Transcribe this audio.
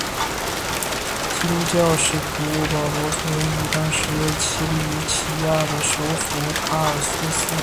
基督教使徒保罗出生于当时奇里乞亚的首府塔尔苏斯。